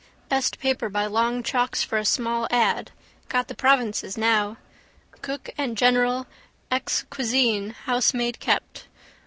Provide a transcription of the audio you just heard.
Best paper by long chalks for a small ad. Got the provinces now. Cook and general, exc. cuisine, housemaid kept.